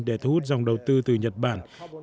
để thu hút dòng đầu tư từ nhật bản